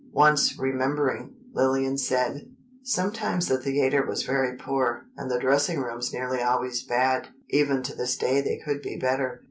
Once, remembering, Lillian said: "Sometimes the theatre was very poor, and the dressing rooms nearly always bad (even to this day they could be better).